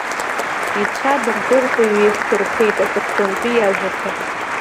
Ицәа адырдырҳәа иҩеихдырԥеит, аҵыхәтәантәи иажәақәа.